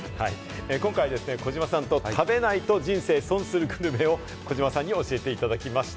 今回ですね、児嶋さんと食べないと人生損するグルメを児嶋さんに教えていただきました。